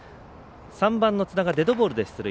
３番の津田がデッドボールで出塁。